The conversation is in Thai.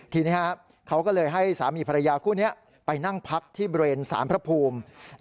ทีนี้เขาก็เลยให้สามีภรรยาคู่นี้ไปนั่งพักที่บริเวณสารพระภูมิ